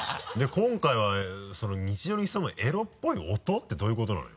今回はその日常に潜むエロっぽい音ってどういうことなのよ？